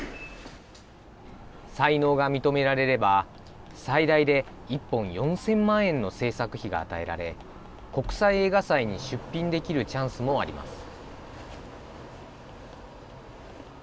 才能が認められれば、最大で１本４０００万円の製作費が与えられ、国際映画祭に出品できるチャンスもあります。